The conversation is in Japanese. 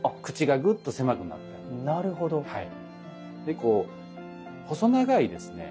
こう細長いですね